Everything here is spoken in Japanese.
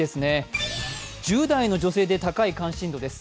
１０代の女性で高い関心度です。